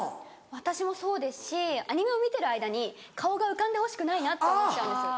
私もそうですしアニメを見てる間に顔が浮かんでほしくないなって思っちゃうんです。